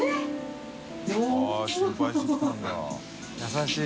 優しい。